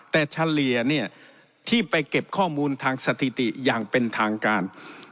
แต่เฉลี่ยเนี่ยที่ไปเก็บข้อมูลทางสถิติอย่างเป็นทางการ